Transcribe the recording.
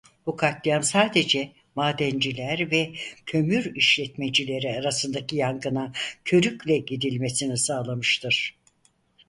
Bu katliam sadece madenciler ve kömür işletmecileri arasındaki yangına körükle gidilmesini sağlamıştır.